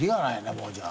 もうじゃあ。